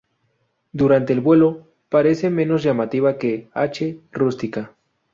Durante el vuelo, parece menos llamativa que "H. rustica".